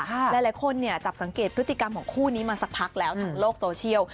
หลายคนจับสังเกตพฤติกรรมของคู่นี้มาสักพักแล้วทางโลกโซเชียล